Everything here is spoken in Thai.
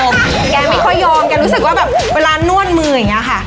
แกไม่ค่อยยอมแกรู้สึกว่าเวลานวดมือ